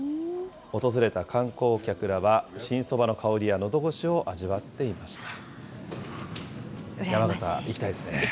訪れた観光客らは新そばの香りやのどごしを味わっていました。